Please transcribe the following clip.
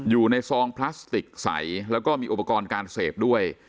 ซองพลาสติกใสแล้วก็มีอุปกรณ์การเสพด้วย